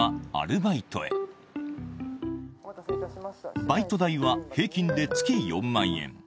バイト代は平均で月４万円。